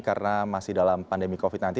karena masih dalam pandemi covid sembilan belas